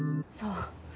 そう。